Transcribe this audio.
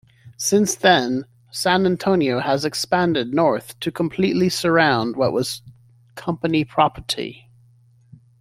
Since then San Antonio has expanded north to completely surround what was company property.